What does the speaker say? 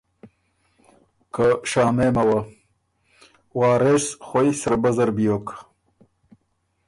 که شامېمه وۀ۔ وارث خوئ "سره بۀ" زر بیوک